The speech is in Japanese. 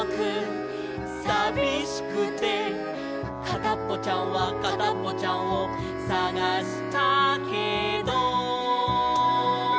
「かたっぽちゃんはかたっぽちゃんをさがしたけど」